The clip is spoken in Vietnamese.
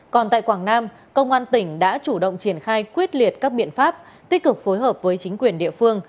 còn tại quảng nam công an tỉnh đã chủ động triển khai quyết liệt các biện pháp tích cực phối hợp với chính quyền địa phương